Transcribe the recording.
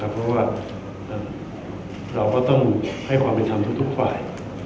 เพราะว่าเราก็ต้องให้ความเป็นธรรมทุกฝ่าย